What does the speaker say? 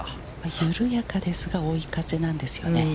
緩やかですが、追い風なんですよね。